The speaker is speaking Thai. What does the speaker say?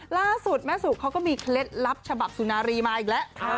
ล่าสุดแม่สุเขาก็มีเคล็ดลับฉบับสุนารีมาอีกแล้ว